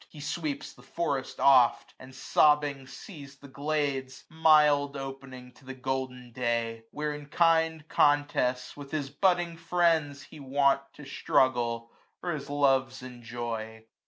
440 He sweeps the forest oft j and sobbing sees * The glades, mild opening to the golden day j Where, in kind contest, with his butting friends He wont to struggle, or his loves enjoy.